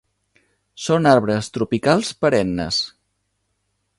Són arbres tropicals perennes.